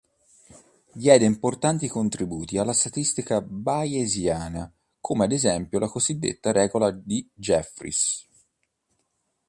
Diede importanti contributi alla statistica bayesiana come ad esempio la cosiddetta regola di Jeffreys.